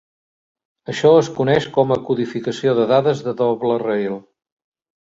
Això es coneix com a codificació de dades de doble rail.